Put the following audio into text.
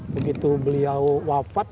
begitu beliau wafat